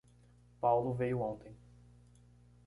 Paulo veio ontem.